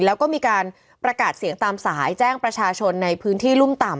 แล้วก็มีการประกาศเสียงตามสายแจ้งประชาชนในพื้นที่รุ่มต่ำ